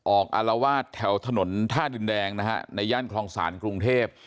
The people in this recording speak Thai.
อารวาสแถวถนนท่าดินแดงนะฮะในย่านคลองศาลกรุงเทพ